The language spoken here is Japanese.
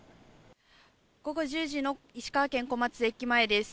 午後１０時の石川県小松駅前です。